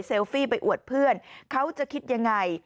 เซลฟี่ไปอวดเพื่อนเขาจะคิดอย่างไร